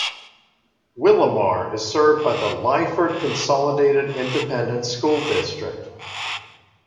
Willamar is served by the Lyford Consolidated Independent School District.